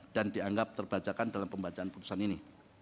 dan dianggap terbajakan dalam pembacaan putusan ini